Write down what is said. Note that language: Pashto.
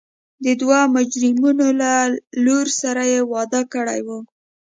د دوو مجرمینو له لور سره یې واده کړی و.